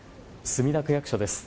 墨田区役所です。